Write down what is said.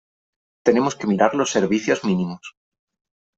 Tenemos que mirar los servicios mínimos.